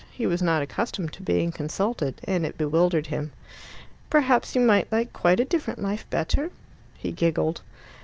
He was not accustomed to being consulted, and it bewildered him. "Perhaps you might like quite a different life better?" He giggled.